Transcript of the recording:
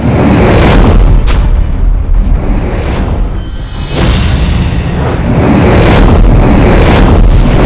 aku akan mengecewakanmu